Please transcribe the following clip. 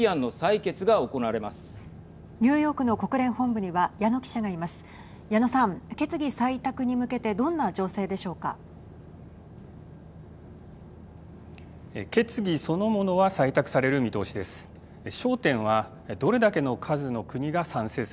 決議そのものは採択される見通しです。